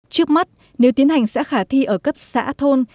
trước mắt nếu tiến hành sẽ khả thi ở cấp xã thôn